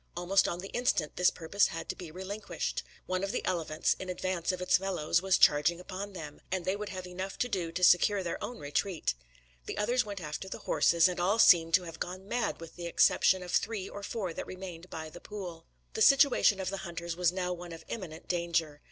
Almost on the instant, this purpose had to be relinquished. One of the elephants, in advance of its fellows, was charging upon them; and they would have enough to do to secure their own retreat. The others went after the horses, and all seemed to have gone mad with the exception of three or four that remained by the pool. The situation of the hunters was now one of imminent danger.